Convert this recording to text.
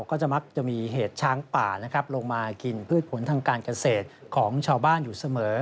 ก็จะมักจะมีเหตุช้างป่านะครับลงมากินพืชผลทางการเกษตรของชาวบ้านอยู่เสมอ